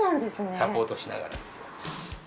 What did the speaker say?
サポートしながら。